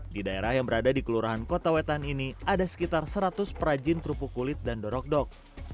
di daerah yang berada di kelurahan kota wetan ini ada sekitar seratus perajin kerupuk kulit dan dorok dok